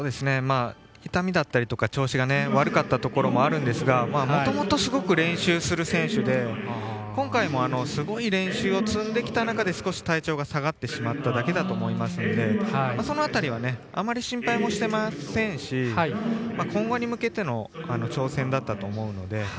痛みだったりとか調子が悪かったところもあるんですがもともとすごく練習する選手で今回もすごい練習を積んできた中で少し体調が下がってしまっただけだと思いますのでその辺りはあまり心配もしていませんし今後に向けての挑戦だったと思うので。